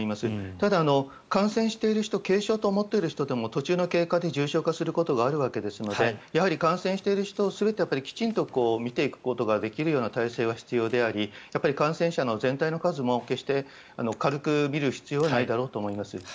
ただ、感染している人軽症と思っていても途中の経過で重症化することがあるわけですのでやはり感染している人を全てきちんと見ていくことができるような体制は必要であり感染者の全体の数も決して軽く見る必要はないだろうと思います。